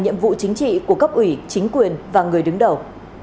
nhiệm vụ chính trị của cấp ủy chính quyền và người đứng đầu